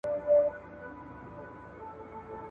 آیا د صفوي پاچا به افغانانو ته تسلیم شي؟